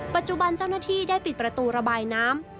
ปัจจุบันเจ้าหน้าที่ได้ปิดประตูระบายน้ำ